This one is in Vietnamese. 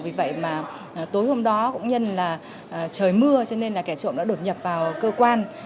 vì vậy mà tối hôm đó cũng nhân là trời mưa cho nên là kẻ trộm đã đột nhập vào cơ quan